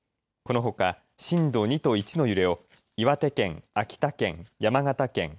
このほか震度２と１の揺れを岩手県、秋田県、山形県